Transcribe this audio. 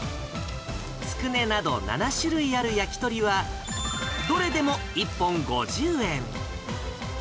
つくねなど７種類ある焼き鳥は、どれでも１本５０円。